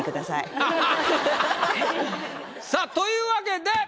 さぁというわけで。